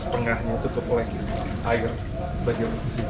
setengahnya tutup oleh air bagaimana di sini